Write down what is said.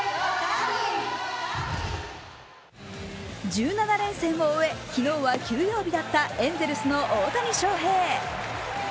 １７連戦を終え、昨日は休養日だったエンゼルスの大谷翔平。